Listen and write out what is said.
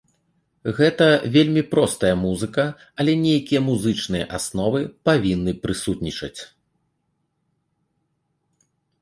Гэта вельмі простая музыка, але нейкія музычныя асновы павінны прысутнічаць.